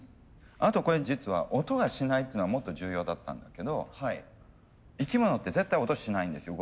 あとこれ実は音がしないっていうのがもっと重要だったんだけど生き物って絶対音しないんですよ